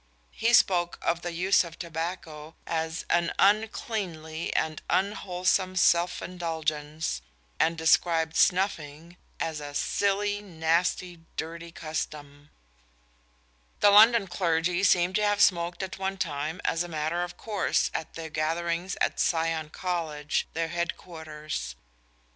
He spoke of the use of tobacco as "an uncleanly and unwholesome self indulgence," and described snuffing as "a silly, nasty, dirty custom." The London clergy seem to have smoked at one time as a matter of course at their gatherings at Sion College, their headquarters.